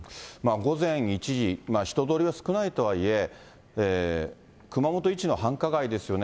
午前１時、人通りは少ないとはいえ、熊本一の繁華街ですよね。